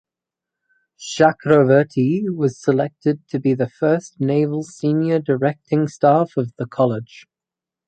Chakraverti was selected to be the first Naval Senior Directing Staff of the college.